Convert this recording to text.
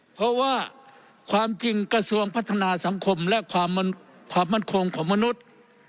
เพราะว่าความจริงกระทรวงพัฒนาสังคมและความมั่นคงของมนุษย์